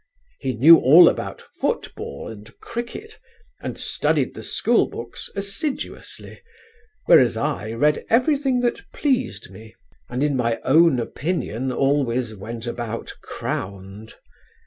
He knew all about football and cricket and studied the school books assiduously, whereas I read everything that pleased me, and in my own opinion always went about 'crowned.'"